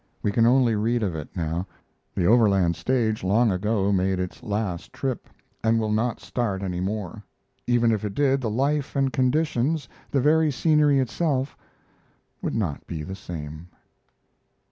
We can only read of it now. The Overland stage long ago made its last trip, and will not start any more. Even if it did, the life and conditions, the very scenery itself, would not be the same.